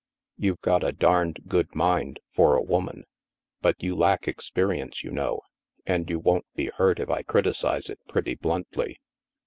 You've got a darned good mind for a woman, but you lack experience, you know, and you won't be hurt if I criticize it pretty bluntly."